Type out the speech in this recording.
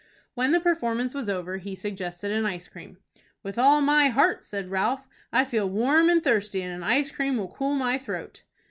When the performance was over, he suggested an ice cream. "With all my heart," said Ralph. "I feel warm and thirsty, and an ice cream will cool my throat."